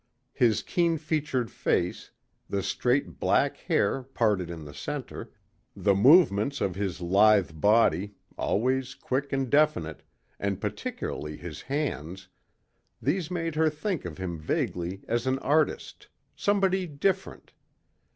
His keen featured face, the straight black hair parted in the center, the movements of his lithe body, always quick and definite and particularly his hands these made her think of him vaguely as an artist, somebody different.